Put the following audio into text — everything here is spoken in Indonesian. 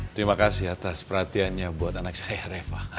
terima kasih atas perhatiannya buat anak saya reva